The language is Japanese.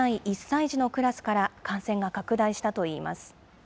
１歳児のクラスから感染が拡大したといいます。